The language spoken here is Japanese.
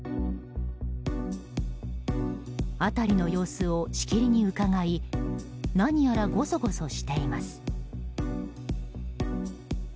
辺りの様子をしきりにうかがい何やらゴソゴソしています。